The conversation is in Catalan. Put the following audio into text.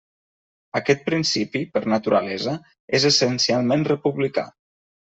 Aquest principi, per naturalesa, és essencialment republicà.